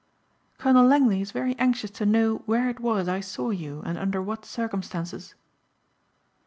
"Colonel Langley is very anxious to know where it was I saw you and under what circumstances."